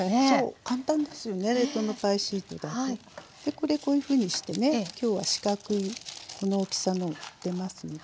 これこういうふうにしてね今日は四角いこの大きさの売ってますので。